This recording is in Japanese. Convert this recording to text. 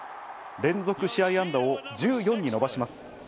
連続試合安打を１４に伸ばします。